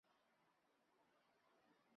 梁耀宝随即叛变。